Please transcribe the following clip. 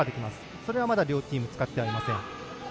それはまだ両チーム使っていません。